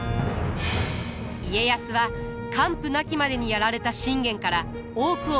家康は完膚なきまでにやられた信玄から多くを学び取ります。